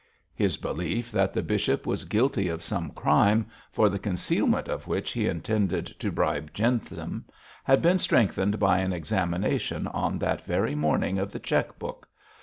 His belief that the bishop was guilty of some crime, for the concealment of which he intended to bribe Jentham, had been strengthened by an examination on that very morning of the cheque book.